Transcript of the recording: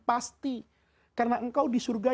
pasti karena engkau di surga